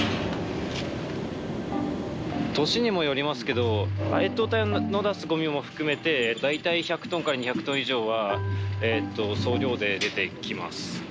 年にもよりますけど越冬隊の出すごみも含めてだいたい１００ｔから２００ｔ以上は総量で出てきます。